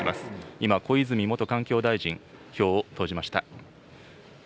今、小泉元環境大臣、票を投じました。